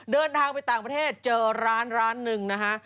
เดินทางไปต่างประเทศเจอร้านร้านหนึ่งนะฮะ